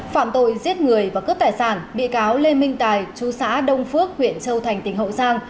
phạm tội giết người và cướp tài sản bị cáo lê minh tài chú xã đông phước huyện châu thành tỉnh hậu giang